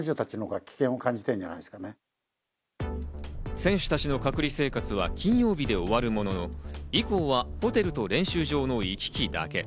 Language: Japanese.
選手たちの隔離生活は金曜日で終わるものの、以降はホテルと練習場の行き来だけ。